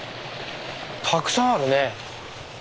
たくさんあるね。